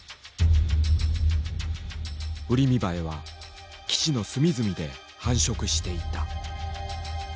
ウリミバエは基地の隅々で繁殖していた。